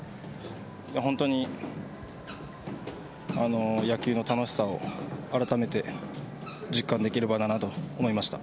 本当に野球の楽しさを改めて実感できる場だなと思いました。